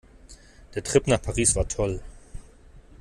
Der Trip nach Paris war toll.